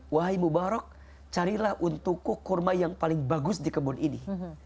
wahai mubarok carilah untukku kurma yang paling bagus di kebun ini